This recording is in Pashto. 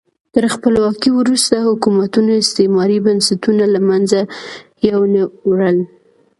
تر خپلواکۍ وروسته حکومتونو استعماري بنسټونه له منځه یو نه وړل.